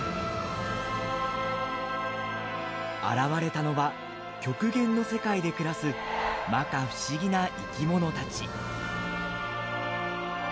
現れたのは、極限の世界で暮らすまか不思議な生き物たち。